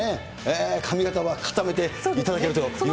髪形は固めていただけるということで。